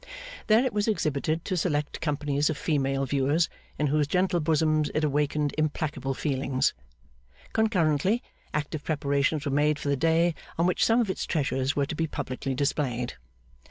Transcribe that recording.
There it was exhibited to select companies of female viewers, in whose gentle bosoms it awakened implacable feelings. Concurrently, active preparations were made for the day on which some of its treasures were to be publicly displayed.